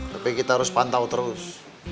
tapi kita harus pantau terus